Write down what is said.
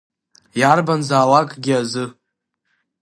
Иарбанзаалакгьы азы.